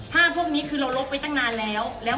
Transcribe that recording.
พวกนี้คือเราลบไปตั้งนานแล้ว